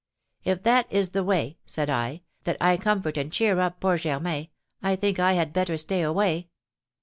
'If that is the way,' said I,'that I comfort and cheer up poor Germain, I think I had better stay away!'